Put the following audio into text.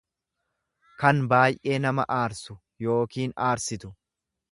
kan baay'ee nama aarsu yookiin aarsitu.